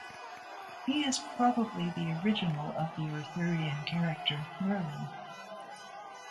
He is probably the original of the Arthurian character, Merlin.